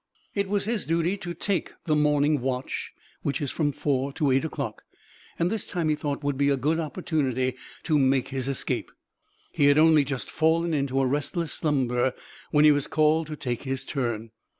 It was his duty to take the morning watch, which is from four to eight o'clock, and this time he thought would be a good opportunity to make his escape. He had only just fallen into a restless slumber when he was called to take his turn.